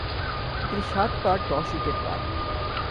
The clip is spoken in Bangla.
তিনি সাতবার দশ উইকেট পান।